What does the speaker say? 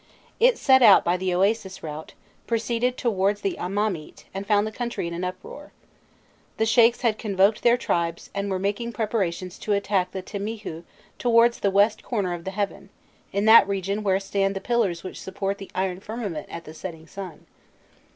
It set out by the Oasis route, proceeded towards the Amamît, and found the country in an uproar. The sheikhs had convoked their tribes, and were making preparations to attack the Timihû "towards the west corner of the heaven," in that region where stand the pillars which support the iron firmament at the setting sun.